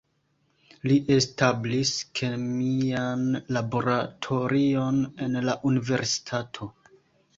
Li establis kemian laboratorion en la universitato.